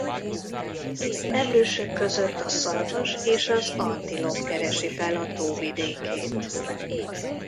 Emlősök között a szarvas és az antilop keresi fel a tó vidékét.